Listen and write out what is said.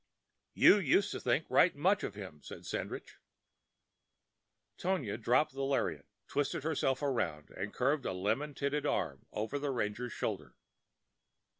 "You used to think right much of him," said Sandridge. Tonia dropped the lariat, twisted herself around, and curved a lemon tinted arm over the ranger's shoulder.